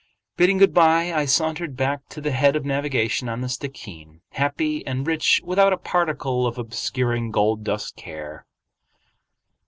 Bidding good bye, I sauntered back to the head of navigation on the Stickeen, happy and rich without a particle of obscuring gold dust care.